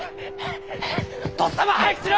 とっさま早くしろ！